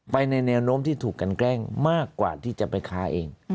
ในแนวโน้มที่ถูกกันแกล้งมากกว่าที่จะไปค้าเอง